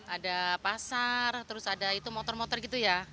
ada pasar terus ada itu motor motor gitu ya